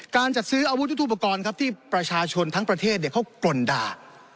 การจัดซื้ออาวุธยุทธุปกรณ์ครับที่ประชาชนทั้งประเทศเขากรนด่า